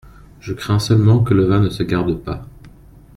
Je crains seulement que le vin ne se garde pas.